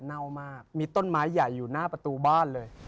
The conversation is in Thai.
เน่ามากมีต้นไม้ใหญ่อยู่หน้าประตูบ้านเลย